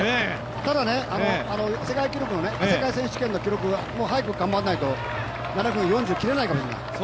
ただ世界選手権の記録は早く頑張らないと７分４０、切れないかもしれない。